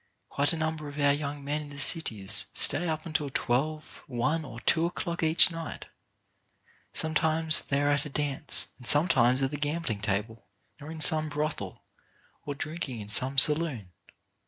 Quite a number of our young men in the cities stay up until twelve, one and two o'clock each night. Sometimes they are at a dance, and sometimes at the gambling table, or in some brothel, or drinking in some saloon.